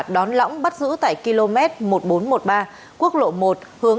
đón lõng bắt giữ tại km một nghìn bốn trăm một mươi ba quốc lộ một hướng